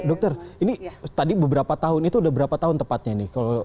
dokter ini tadi beberapa tahun itu udah berapa tahun tepatnya nih